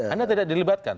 anda tidak dilibatkan